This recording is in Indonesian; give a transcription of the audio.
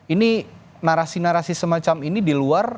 ini narasi narasi semacam ini di luar